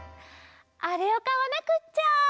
あれをかわなくっちゃ。